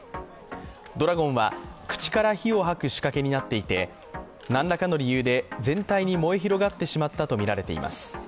ドラゴンは口から火を吐く仕掛けになっていて何らか理由で、全体に燃え広がってしまったとみられます。